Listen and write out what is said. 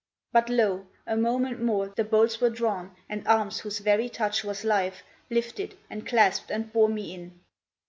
But, lo! a moment more The bolts were drawn, and arms whose very touch Was life, lifted and clasped and bore me in.